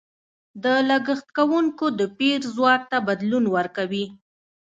د لګښت کوونکو د پېر ځواک ته بدلون ورکوي.